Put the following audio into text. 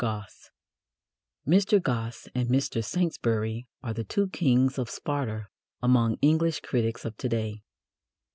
GOSSE Mr. Gosse and Mr. Saintsbury are the two kings of Sparta among English critics of to day.